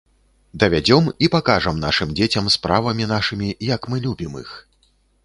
Давядзём і пакажам нашым дзецям справамі нашымі, як мы любім іх.